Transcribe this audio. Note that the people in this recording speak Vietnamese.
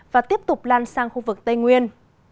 và tiếp tục lan sang khu vực tây nguyên